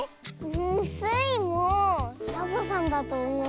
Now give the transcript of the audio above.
んスイもサボさんだとおもう。